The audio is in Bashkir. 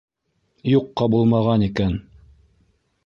Юҡҡа булмаған икән.